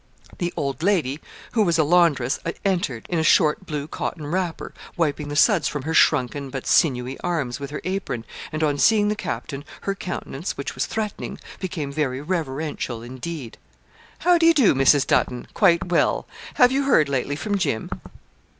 The old lady, who was a laundress, entered, in a short blue cotton wrapper, wiping the suds from her shrunken but sinewy arms with her apron, and on seeing the captain, her countenance, which was threatening, became very reverential indeed. 'How d'ye do, Mrs. Dutton? Quite well. Have you heard lately from Jim?'